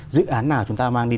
dự án nào chúng ta mang đi